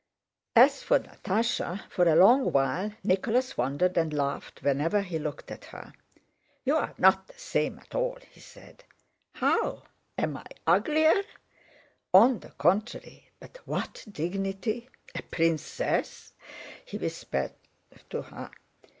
As for Natásha, for a long while Nicholas wondered and laughed whenever he looked at her. "You're not the same at all," he said. "How? Am I uglier?" "On the contrary, but what dignity? A princess!" he whispered to her.